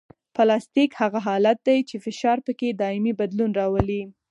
پلاستیک هغه حالت دی چې فشار پکې دایمي بدلون راولي